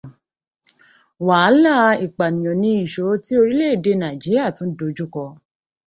Wàhálà Ìpànìyàn ni ìṣòro tí orílẹ̀ èdè Nàìjíríà tún dojúkọ.